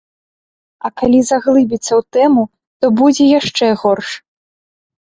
А калі заглыбіцца ў тэму, то будзе яшчэ горш.